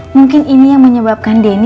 mungkin ini yang menyebabkan denny